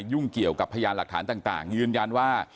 ยุ่งเกี่ยวกับพยานหลักฐานต่างยืนยันว่า